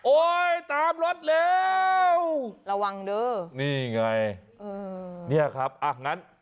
ตามรถเร็วระวังเด้อนี่ไงเออเนี่ยครับอ่ะงั้น